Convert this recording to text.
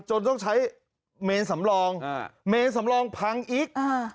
จนต้องใช้เมนสำรองอ่าเมนสำรองพังอีกอ่า